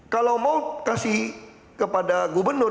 kalau mau kasih kepada gubernur